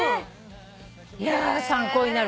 いや参考になるわ。